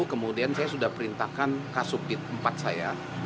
kemudian saya sudah perintahkan kas subbit empat saya